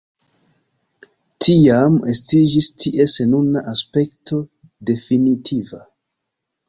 Tiam estiĝis ties nuna aspekto definitiva.